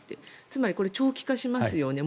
つまり、これ長期化しますよね。